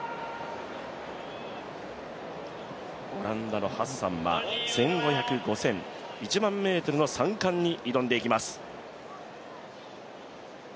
オランダのハッサンは１５００、５０００、１００００ｍの三冠に挑んでいきます。